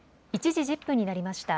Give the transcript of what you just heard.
１時１０分になりました。